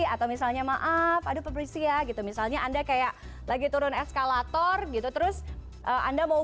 atau misalnya maaf aduh pebersih gitu misalnya anda kayak lagi turun eskalator gitu terus anda mau